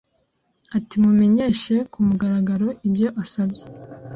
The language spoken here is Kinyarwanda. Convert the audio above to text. Ati Mumenyeshe kumugaragaro ibyo asabye